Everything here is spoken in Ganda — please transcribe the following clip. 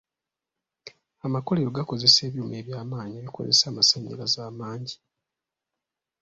Amakolero gakozesa ebyuma eby'amaanyi ebikozesa amasannyalaze amangi.